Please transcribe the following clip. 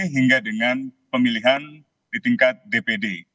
hingga dengan pemilihan di tingkat dpr d